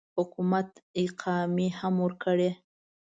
حکومت اقامې هم ورکړي.